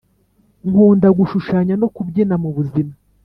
Nkunda gushushanya no kubyina mu buzima